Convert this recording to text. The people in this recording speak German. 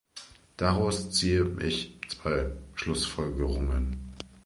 Daraus ziehe ich zwei Schlussfolgerungen.